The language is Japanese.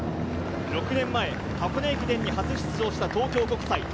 ６年前、箱根駅伝初出場の東京国際。